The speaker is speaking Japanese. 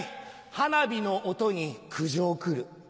花火の音に苦情来る。